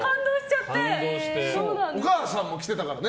お母さんも来てたからね。